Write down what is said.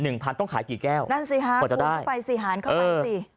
หนึ่งพันต้องขายกี่แก้วนั่นสิฮะพูดเข้าไปสิหารเข้าไปสิเออ